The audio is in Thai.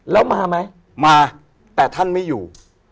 แล้วมาไหมมาแต่ท่านไม่อยู่